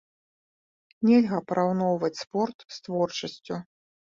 Нельга параўноўваць спорт з творчасцю.